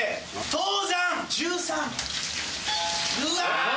うわ！